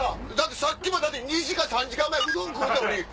さっき２時間か３時間前うどん食うたのに。